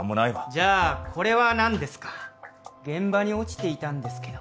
じゃあこれは何ですか？現場に落ちていたんですけど